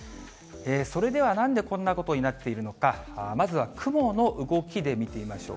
それでは、なんでこんなことになっているのか、まずは雲の動きで見てみましょう。